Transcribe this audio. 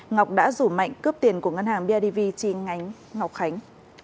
ngọc đã rủ mạnh cướp tiền của ngân hàng bidv chi nhánh ngọc khánh